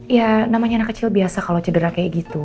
ya namanya anak kecil biasa kalau cedera kayak gitu